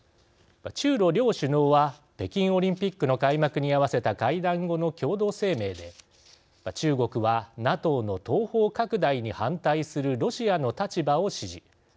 中ロ両首脳は北京オリンピックの開幕に合わせた会談後の共同声明で中国はＮＡＴＯの東方拡大に反対するロシアの立場を支持